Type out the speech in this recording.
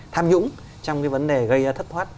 tham nhũng trong cái vấn đề gây thất thoát